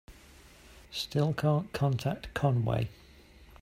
Still can't contact Conway.